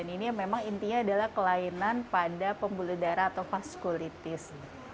ini memang intinya adalah kelainan pada pembuluh darah atau vaskulitis